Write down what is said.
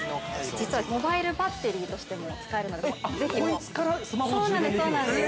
◆実はモバイルバッテリーとしても使えるので、◆そうなんです、そうなんです。